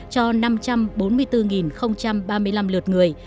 cho năm trăm bốn mươi bốn ba mươi năm lượt người